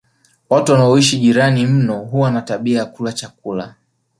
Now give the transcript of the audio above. Watu wanaoishi jirani mno huwa na tabia ya kula chakula